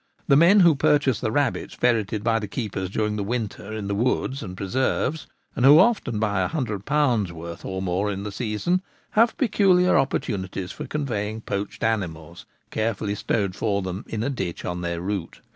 The men who purchase the rabbits ferreted by the keepers during the winter in the woods and preserves, and who often buy ioo/. worth or more in the season, have peculiar opportu nities for conveying poached animals, carefully stowed for them in a ditch on their route.